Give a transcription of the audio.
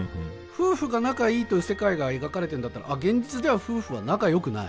夫婦が仲いいという世界が描かれてんだったら現実では夫婦は仲良くない。